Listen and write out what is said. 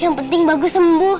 yang penting bagus sembuh